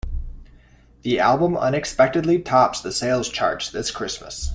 The album unexpectedly tops the sales chart this Christmas.